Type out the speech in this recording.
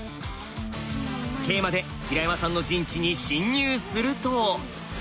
桂馬で平山さんの陣地に侵入すると。